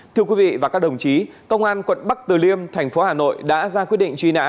thưa quý vị và các đồng chí công an quận bắc từ liêm thành phố hà nội đã ra quyết định truy nã